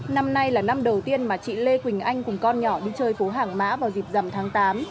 năm nay là năm đầu tiên mà chị lê quỳnh anh cùng con nhỏ đi chơi phố hàng mã vào dịp dầm tháng tám